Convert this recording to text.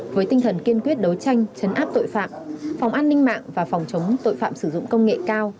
với tinh thần kiên quyết đấu tranh chấn áp tội phạm phòng an ninh mạng và phòng chống tội phạm sử dụng công nghệ cao